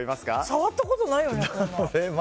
触ったことないよ。